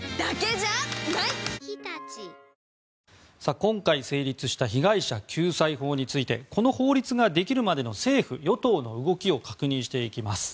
今回成立した被害者救済法についてこの法律ができるまでの政府・与党の動きを確認していきます。